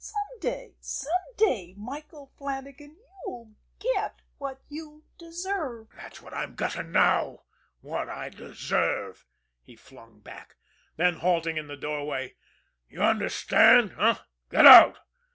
"Some day some day, Michael Flannagan, you'll get what you deserve." "That's what I'm gettin' now what I deserve," he flung back; then, halting in the doorway: "You understand, eh? Get out!